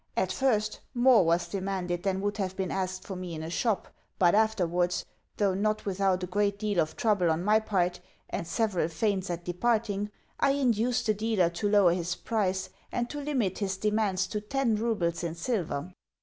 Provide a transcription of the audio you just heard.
At first more was demanded than would have been asked of me in a shop; but afterwards though not without a great deal of trouble on my part, and several feints at departing I induced the dealer to lower his price, and to limit his demands to ten roubles in silver.